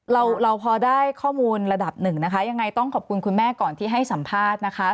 เราเราพอได้ข้อมูลระดับหนึ่งนะคะยังไงต้องขอบคุณคุณแม่ก่อนที่ให้สัมภาษณ์นะคะ